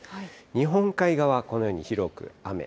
日本海側、このように広く雨。